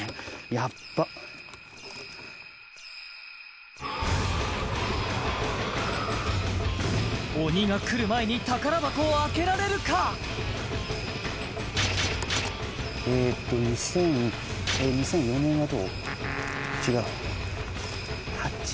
ヤッバ鬼が来る前に宝箱を開けられるかえーっと２０００２００４年はどう？